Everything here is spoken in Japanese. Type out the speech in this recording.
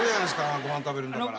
ご飯食べるんだから。